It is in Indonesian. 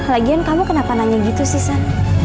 lagian kamu kenapa nanya gitu sen